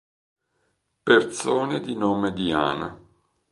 Persone di nome Diana